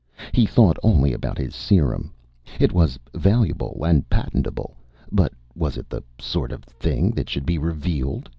He thought only about his serum. It was valuable and patentable. But was it the sort of thing that should be revealed?